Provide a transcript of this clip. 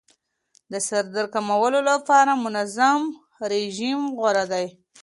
د سردرد کمولو لپاره منظم رژیم غوره دی.